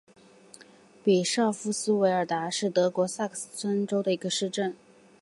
比绍夫斯韦尔达是德国萨克森州的一个市镇。